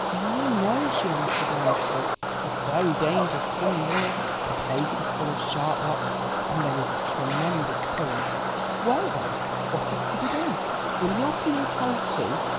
"No, no," she answered earnestly, "it is very dangerous swimming here; the place is full of sharp rocks, and there is a tremendous current." "Well, then, what is to be done? Will your canoe carry two?